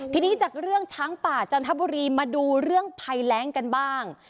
ทีนี้จากเรื่องช้างป่าจันทบุรีมาดูเรื่องภัยแรงกันบ้าง